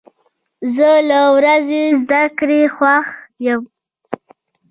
زه له ورځې زده کړې خوښ یم.